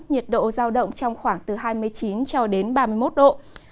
nhiệt độ giao động trong khoảng từ hai mươi chín cho đến ba mươi một độ